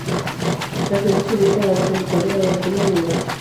La ciudad se ubica en la desembocadura del río Niva.